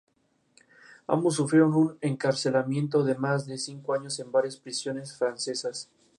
Su gobierno se tradujo en desorden, miseria y de impunidad para con los aborígenes.